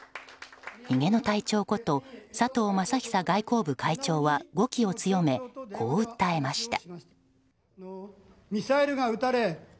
ひげの隊長こと佐藤正久外交部会長は語気を強め、こう訴えました。